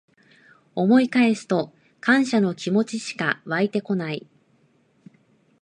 思い返すと感謝の気持ちしかわいてこない